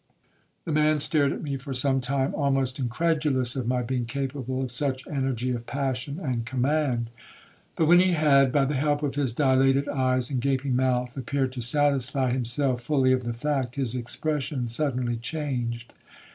'The man stared at me for some time, almost incredulous of my being capable of such energy of passion and command. But when he had, by the help of his dilated eyes, and gaping mouth, appeared to satisfy himself fully of the fact, his expression suddenly changed.